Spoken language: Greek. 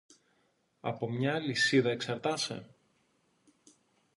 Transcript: Από μια αλυσίδα εξαρτάσαι;